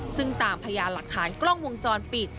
ซึ่งตามพยานหลักฐานกล้องวงจรปิด